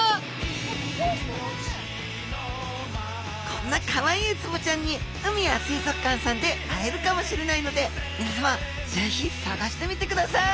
こんなかわいいウツボちゃんに海や水族館さんで会えるかもしれないのでみなさまぜひ探してみてください！